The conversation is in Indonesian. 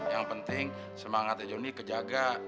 yang penting semangatnya joni kejaga